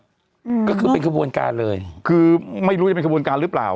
อืมก็คือเป็นขบวนการเลยคือไม่รู้จะเป็นขบวนการหรือเปล่า